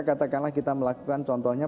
katakanlah kita melakukan contohnya